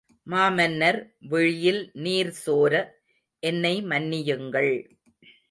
மாமன்னர் விழியில் நீர் சோர, என்னை மன்னியுங்கள்.